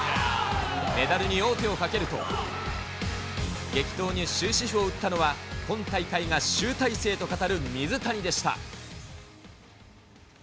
メダルに王手をかけると、激闘に終止符を打ったのは、今大会が集大成と語る水谷でした。